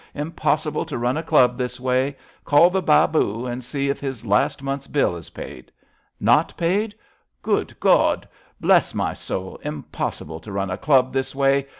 Impossible to run a Club this way. Call the Babu and see if his last month's bill is paid. Not paid I Good GudI HIS BROTHERS KEEPER 113 Bless my soul! Impossible to run a Club this way.